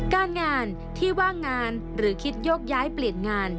การงานที่ว่างงานหรือคิดยกย้ายเปลี่ยนงาน